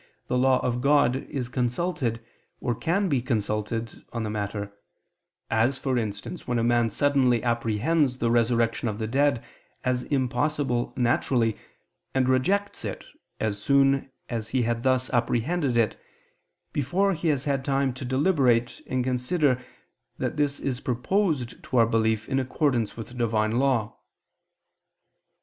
the law of God, is consulted, or can be consulted, on the matter; as, for instance, when a man suddenly apprehends the resurrection of the dead as impossible naturally, and rejects it, as soon as he had thus apprehended it, before he has had time to deliberate and consider that this is proposed to our belief in accordance with the Divine law.